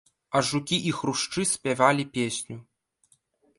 А жукі і хрушчы спявалі песню.